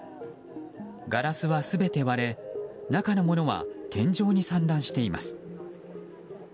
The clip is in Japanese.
ガラスは全て割れ、中のものは天井に散乱しています。